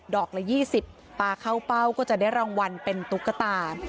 อกละ๒๐ปลาเข้าเป้าก็จะได้รางวัลเป็นตุ๊กตา